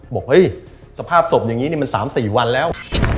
บอกเฮ้ยสภาพศพอย่างนี้มัน๓๔วันแล้ว